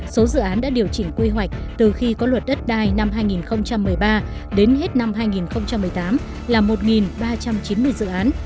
số dự án đã điều chỉnh quy hoạch từ khi có luật đất đai năm hai nghìn một mươi ba đến hết năm hai nghìn một mươi tám là một ba trăm chín mươi dự án